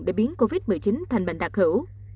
để biến covid một mươi chín thành bệnh đặc hữu